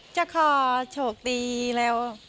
จะคอโชคดีแล้ว